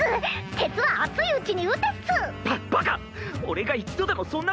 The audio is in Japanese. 「鉄は熱いうちに打て」っス！